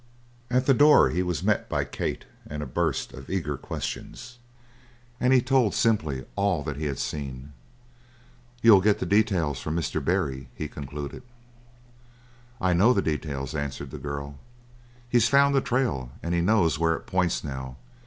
At the door he was met by Kate and a burst of eager questions, and he told, simply, all that he had seen. "You'll get the details from Mr. Barry," he concluded. "I know the details," answered the girl. "He's found the trail and he knows where it points, now.